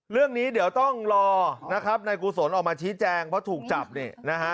เรื่องนี้เดี๋ยวต้องรอนะครับนายกุศลออกมาชี้แจงเพราะถูกจับเนี่ยนะฮะ